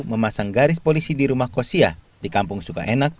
memasang garis polisi di rumah kosia di kampung suka enak